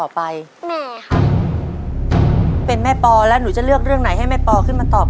แม่ค่ะเป็นแม่ปอแล้วหนูจะเลือกเรื่องไหนให้แม่ปอขึ้นมาตอบ